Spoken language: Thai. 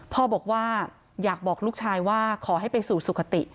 พ่อบอกว่าอยากบอกลูกชายว่าขอให้ไปสู่สุขติ